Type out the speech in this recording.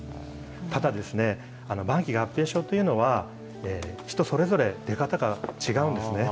ただ、晩期合併症というのは、人それぞれ出方が違うんですね。